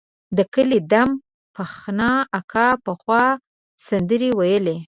د کلي ډم فخان اکا پخوا سندرې ویلې.